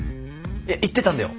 言ってたんだよ